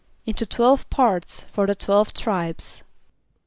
=Into twelve parts for the twelve tribes.